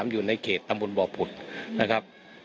อยู่ในเขตตำบลบ่อผุดนะครับ